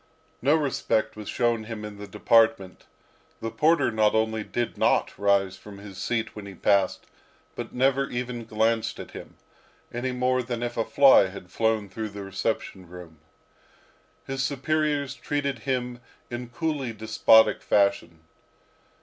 No respect was shown him in the department. The porter not only did not rise from his seat when he passed, but never even glanced at him, any more than if a fly had flown through the reception room. His superiors treated him in coolly despotic fashion.